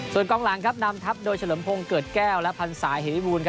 ส่วนกองหลังนำทัพโดยเฉลิมพงศ์เกิดแก้วและพันศาเหวิบูรณ